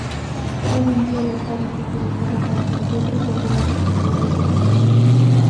Hoy en día el estadio es utilizado para conciertos y algunas actividades deportivas.